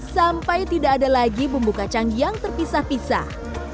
sampai tidak ada lagi bumbu kacang yang terpisah pisah